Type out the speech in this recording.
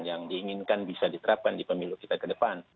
yang diinginkan bisa diterapkan di pemilu kita ke depan